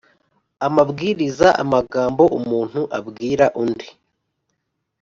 amabwiriza: amagambo umuntu abwira undi